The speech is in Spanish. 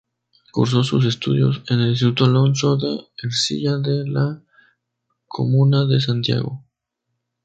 Cursó sus estudios en el Instituto Alonso de Ercilla de la comuna de Santiago.